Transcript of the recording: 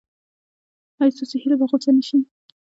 ایا ستاسو هیله به غوڅه نشي؟